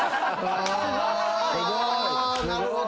あなるほど。